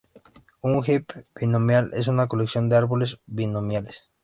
Un Heap binomial es una colección de Árboles Binomiales.